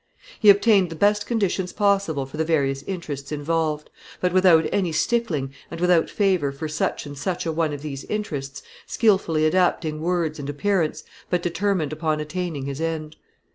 He obtained the best conditions possible for the various interests involved, but without any stickling and without favor for such and such a one of these interests, skilfully adapting words and appearance, but determined upon attaining his end.